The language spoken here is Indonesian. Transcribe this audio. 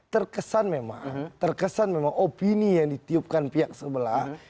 terkesan memang terkesan memang opini yang ditiupkan pihak sebelah